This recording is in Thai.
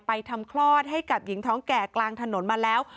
ทำคลอดให้กับหญิงท้องแก่กลางถนนมาแล้ว